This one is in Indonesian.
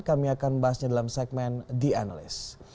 kami akan bahasnya dalam segmen the analyst